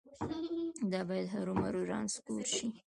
دا باید هرومرو رانسکور شي.